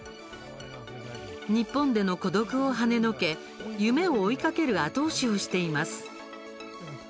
日本での孤独をはねのけ夢を追いかける後押しをしています。